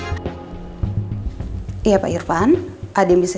untuk sementara nggak boleh ada yang tahu jessica adalah putri saya